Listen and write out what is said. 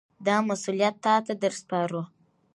دا مسوولیت تاته در سپارو.